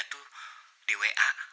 itu di wa